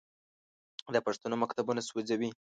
د پښتنو مکتبونه سوځوي.